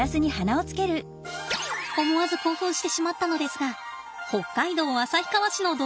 思わず興奮してしまったのですが北海道旭川市の動物園です。